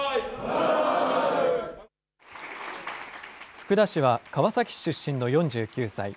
福田氏は、川崎市出身の４９歳。